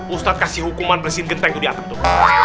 ustadz kasih hukuman bersihin genteng di atap tuh